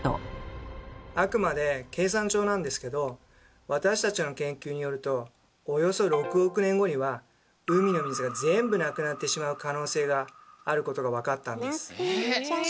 あくまで計算上なんですけど私たちの研究によるとおよそ６億年後には海の水が全部なくなってしまう可能性があることがわかったんです。